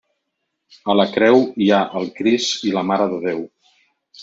A la creu hi ha el Crist i la Mare de Déu.